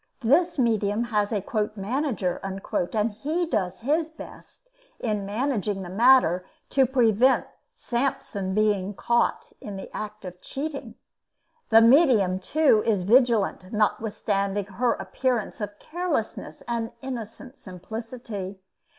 This medium has a "manager," and he does his best in managing the matter, to prevent "Samson being caught" in the act of cheating. The medium, too, is vigilant, notwithstanding her appearance of carelessness and innocent simplicity.